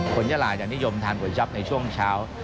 คนยะลาอันนี้ได้มีความสำหรับก๋วยจั๊บในช่วงเช้า